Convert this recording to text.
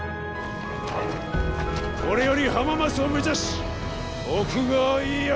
これより浜松を目指し徳川家康を討つ！